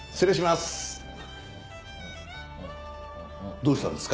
どうしたんですか？